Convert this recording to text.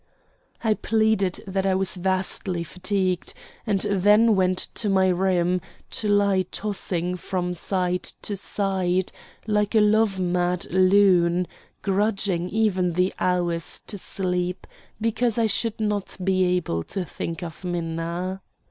I pleaded that I was vastly fatigued, and then went to my room, to lie tossing from side to side like a love mad loon, grudging even the hours to sleep because I should not be able to think of Minna.